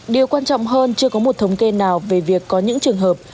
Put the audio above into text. điều quan trọng hơn chưa có một thống kê nào về việc có những trường hợp